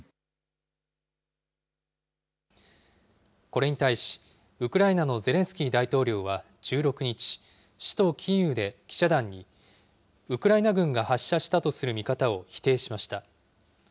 これに対し、ウクライナのゼレンスキー大統領は１６日、首都キーウで記者団に、ウクライナ軍が発射したとする見方を否定しました。